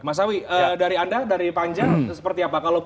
mas awi dari anda dari panjang seperti apa